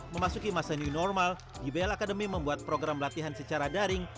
memasuki masa new normal dbl academy membuat program latihan secara daring